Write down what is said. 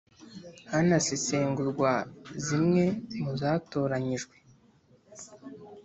hanasesengurwa zimwe muzatoranyijwe.